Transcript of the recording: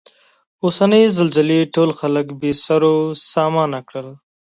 اوسنۍ زلزلې ټول خلک بې سرو سامانه کړل.